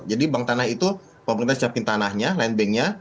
jadi bank tanah itu pemerintah siapin tanahnya land banknya